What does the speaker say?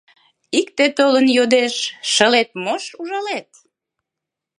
Икте толын йодеш: шылет мош ужалет?